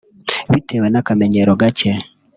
bitewe n’akamenyero gake